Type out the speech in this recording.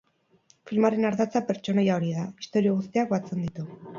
Filmaren ardatza pertsonaia hori da, istorio guztiak batzen ditu.